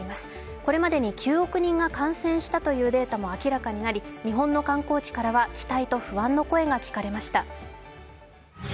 これまでに９億人が感染したというデータも明らかになり日本の観光地からは期待と不安の声が聞かれました。